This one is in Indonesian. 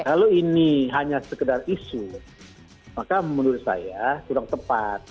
kalau ini hanya sekedar isu maka menurut saya kurang tepat